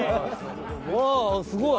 うわっすごい！